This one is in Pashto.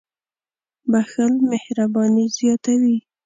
• بښل مهرباني زیاتوي.